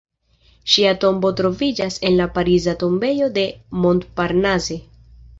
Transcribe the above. Ŝia tombo troviĝas en la Pariza Tombejo de Montparnasse.